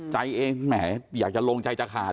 ใจเองแหมอยากจะลงใจจะขาด